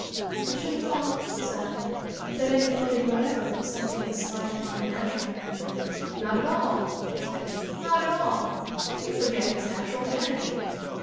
"I should have thought," said I, "that any clothing whatever was something of a slight upon the natural man." "Not at all," said he, "not at all! You forget his natural vanity!"